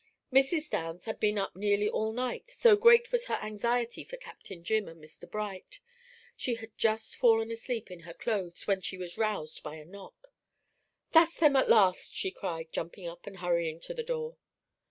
Mrs. Downs had been up nearly all night, so great was her anxiety for Captain Jim and Mr. Bright. She had just fallen asleep in her clothes, when she was roused by a knock. "That's them at last," she cried, jumping up, and hurrying to the door.